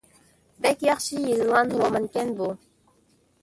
بەك ياخشى يېزىلغان رومانكەن بۇ!